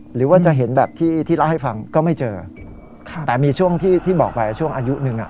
หรือว่าจะเห็นแบบที่ที่เล่าให้ฟังก็ไม่เจอค่ะแต่มีช่วงที่ที่บอกไปช่วงอายุหนึ่งอ่ะ